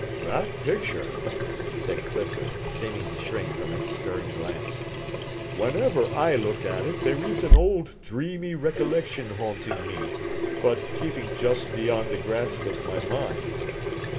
"That picture!" said Clifford, seeming to shrink from its stern glance. "Whenever I look at it, there is an old dreamy recollection haunting me, but keeping just beyond the grasp of my mind.